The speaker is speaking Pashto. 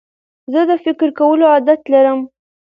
زه د فکر کولو عادت لرم.